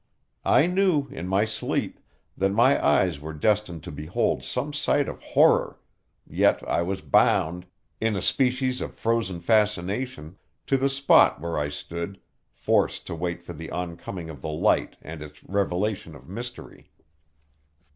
I knew, in my sleep, that my eyes were destined to behold some sight of horror, yet I was bound, in a species of frozen fascination, to the spot where I stood, forced to wait for the oncoming of the light and its revelation of mystery.